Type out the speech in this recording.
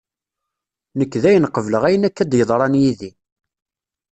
Nekk dayen qebleɣ ayen akka d-yeḍran yid-i.